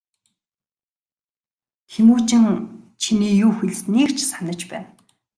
Тэмүжин чиний юу хэлснийг ч санаж байна.